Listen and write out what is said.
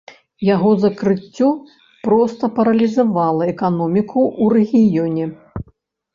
Яго закрыццё проста паралізавала эканоміку ў рэгіёне.